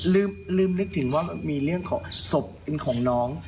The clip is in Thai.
ลืมนึกถึงว่ามีเรื่องของศพเป็นของน้อง